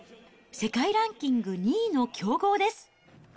世界ランキング２位の強豪です。